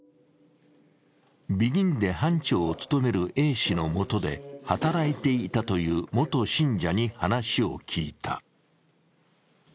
びぎんで班長を務めるＡ氏の下で働いていたという元信者に話を聞いた。